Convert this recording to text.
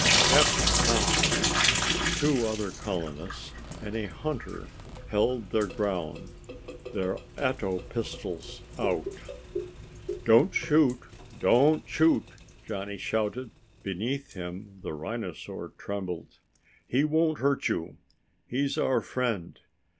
Captain Thompson, two other colonists and a hunter held their ground, their ato tube pistols out. "Don't shoot! Don't shoot!" Johnny shouted. Beneath him the rhinosaur trembled. "He won't hurt you. He's our friend."